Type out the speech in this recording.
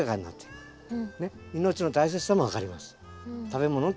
食べ物の大切さも分かります。